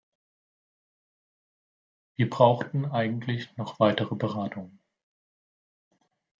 Wir brauchten eigentlich noch weitere Beratungen.